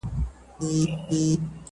داسي حال په ژوند کي نه وو پر راغلی٫